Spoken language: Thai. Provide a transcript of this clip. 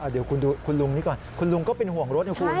เดี๋ยวคุณดูคุณลุงนี้ก่อนคุณลุงก็เป็นห่วงรถนะคุณ